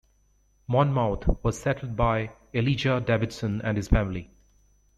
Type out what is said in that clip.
Monmouth was settled by Elijah Davidson and his family.